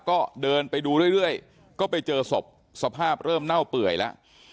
ก็เดินไปดูเรื่อยก็ไปเจอศพสภาพเริ่มเน่าเปื่อยแล้ว